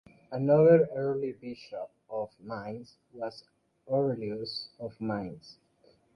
Another early bishop of Mainz was Aureus of Mainz.